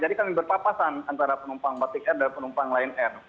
kami berpapasan antara penumpang batik air dan penumpang lion air